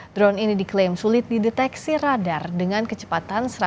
drone ini diklaim sulit dideteksi radar dengan kecepatan satu ratus delapan puluh km per jam